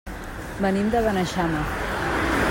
Venim de Beneixama.